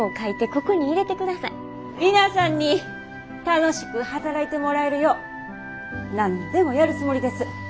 皆さんに楽しく働いてもらえるよう何でもやるつもりです。